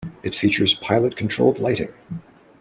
It features pilot-controlled lighting.